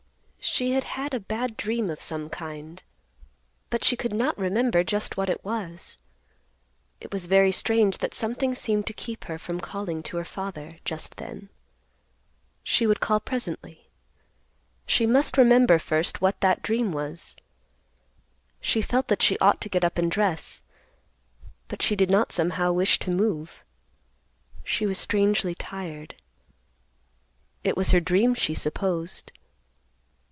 She had had a bad dream of some kind, but she could not remember just what it was. It was very strange that something seemed to keep her from calling to her father just then. She would call presently. She must remember first what that dream was. She felt that she ought to get up and dress, but she did not somehow wish to move. She was strangely tired. It was her dream, she supposed.